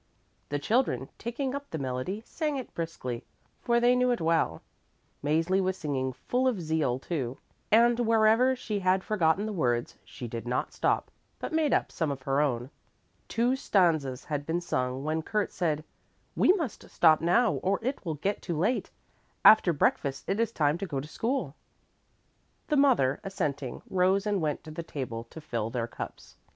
The children taking up the melody sang it briskly, for they knew it well. Mäzli was singing full of zeal, too, and wherever she had forgotten the words, she did not stop, but made up some of her own. Two stanzas had been sung when Kurt said, "We must stop now or it will get too late. After breakfast it is time to go to school." The mother, assenting, rose and went to the table to fill their cups.